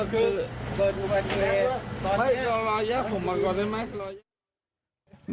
เฮ้ยรออย่าผมมาก่อนได้ไหม